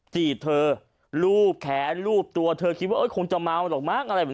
จีบเธอรูปแขนรูปตัวเธอคิดว่าคงจะมัวหรอกมั้ง